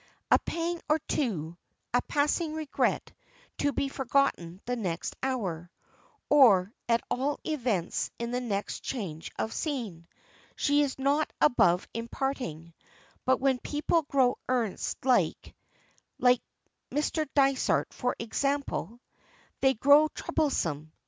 A pang or two, a passing regret to be forgotten the next hour or at all events in the next change of scene she is not above imparting, but when people grow earnest like like Mr. Dysart for example they grow troublesome.